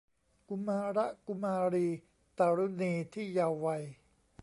กุมาระกุมารี ตะรุณีที่เยาว์วัย